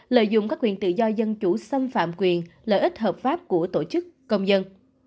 lợi dụng các quyền tự do dân chủ xâm phạm quyền lợi ích hợp pháp của tổ chức công dân